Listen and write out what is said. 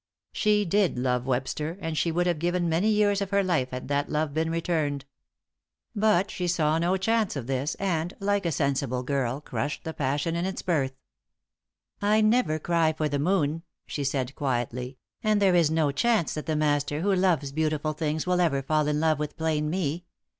She did love Webster, and she would have given many years of her life had that love been returned. But she saw no chance of this, and, like a sensible girl, crushed the passion in its birth. "I never cry for the moon," she said, quietly "and there is no chance that the Master, who loves beautiful things, will ever fall in love with plain me.